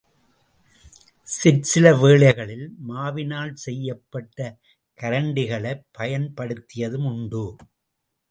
சிற்சில வேளைகளில் மாவினால் செய்யப்பட்ட கரண்டிகளைப் பயன்படுத்தியதும் உண்டு.